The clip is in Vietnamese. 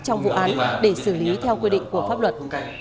trong vụ án để xử lý theo quy định của pháp luật